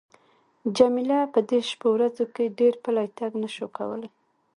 جميله په دې شپو ورځو کې ډېر پلی تګ نه شوای کولای.